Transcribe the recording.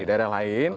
di daerah lain